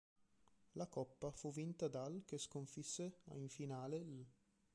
La coppa fu vinta dal che sconfisse in finale l'.